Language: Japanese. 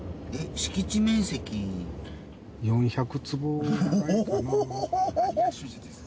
４００坪！